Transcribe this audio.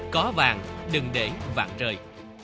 có vàng đừng để vạn rời